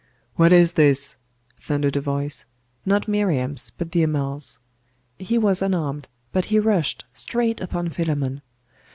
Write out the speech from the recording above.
'What is this?' thundered a voice; not Miriam's, but the Amal's. He was unarmed but he rushed straight upon Philammon.